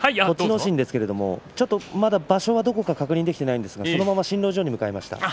心ですが場所はまだどこか確認していないんですがそのまま診療所に向かいました。